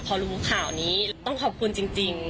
พอรู้ข่าวนี้ต้องขอบคุณจริง